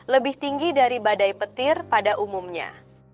lebih tinggi dari badai petir pada umumnya